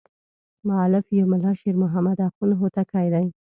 مؤلف یې ملا شیر محمد اخوند هوتکی دی.